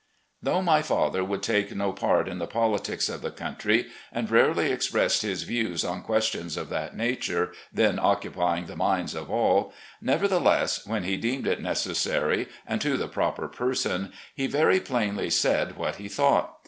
Though my father would take no part in the politics of the country, and rarely expressed his views on ques tions of that nature then occupying the minds of all, nevertheless, when he deemed it necessary, and to the proper person, he very plainly said what he thought.